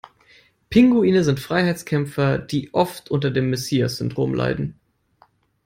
Pinguine sind Freiheitskämpfer, die oft unter dem Messias-Syndrom leiden.